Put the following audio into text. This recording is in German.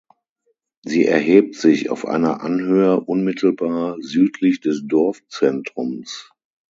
Sie erhebt sich auf einer Anhöhe unmittelbar südlich des Dorfzentrums.